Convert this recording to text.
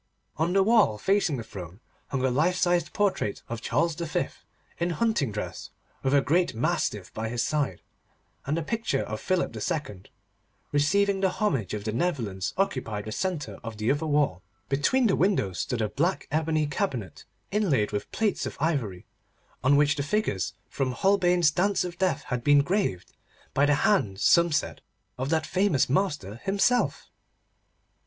On the wall, facing the throne, hung a life sized portrait of Charles V. in hunting dress, with a great mastiff by his side, and a picture of Philip II. receiving the homage of the Netherlands occupied the centre of the other wall. Between the windows stood a black ebony cabinet, inlaid with plates of ivory, on which the figures from Holbein's Dance of Death had been graved—by the hand, some said, of that famous master himself.